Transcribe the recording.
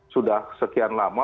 sudah sekian lama